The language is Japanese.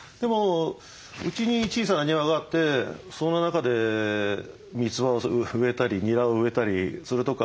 うちに小さな庭があってその中でミツバを植えたりニラを植えたりするとか。